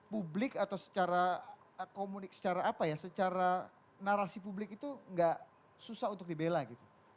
publik atau secara komunik secara apa ya secara narasi publik itu nggak susah untuk dibela gitu